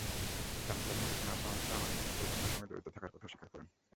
জানতে চাইলে মুঠোফোনে আশরাফুজ্জামান মুকুল ঘটনার সঙ্গে জড়িত থাকার কথা অস্বীকার করেন।